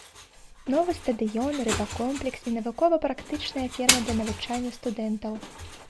Новы стадыён, рыбакомплекс і навукова-практычная ферма для навучання студэнтаў.